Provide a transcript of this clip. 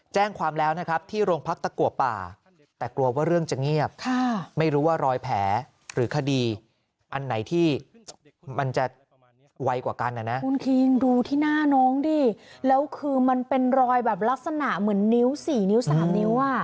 จะเงียบค่ะไม่รู้ว่ารอยแผลหรือคดีอันไหนที่มันจะไวกว่ากันนะคุณคิงดูที่หน้าน้องดิแล้วคือมันเป็นรอยแบบลักษณะเหมือนนิ้วสี่นิ้วสามนิ้วอ่ะ